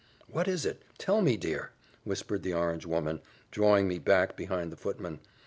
"What is it? Tell me, dear," whispered the orange woman, drawing me back behind the footman.